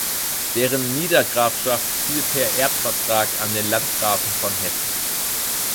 Deren Niedergrafschaft fiel per Erbvertrag an den Landgrafen von Hessen.